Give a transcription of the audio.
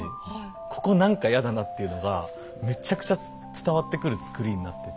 ここ何かやだなっていうのがむちゃくちゃ伝わってくる作りになってて。